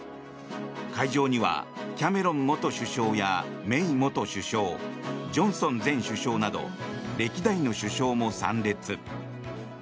会場にはキャメロン元首相やメイ元首相ジョンソン前首相など歴代の首相も参列。